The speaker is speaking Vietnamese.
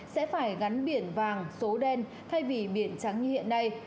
sẽ phải gắn biển vàng số đen thay vì biển trắng như hiện nay